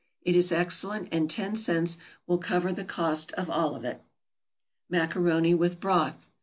It is excellent; and ten cents will cover the cost of all of it. =Macaroni with Broth.